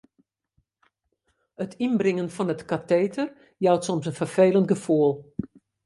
It ynbringen fan it kateter jout soms in ferfelend gefoel.